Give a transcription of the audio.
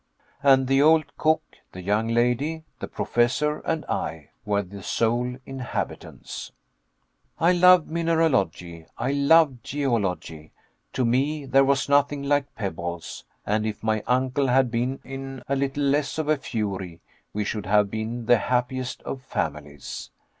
And the old cook, the young lady, the Professor and I were the sole inhabitants. I loved mineralogy, I loved geology. To me there was nothing like pebbles and if my uncle had been in a little less of a fury, we should have been the happiest of families.